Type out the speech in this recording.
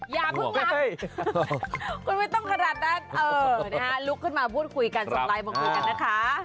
อย่าพึ่งลำคุณไม่ต้องขนาดนั้นเออนะฮะลุกขึ้นมาพูดคุยกันส่งไลค์บังคุยกันนะคะ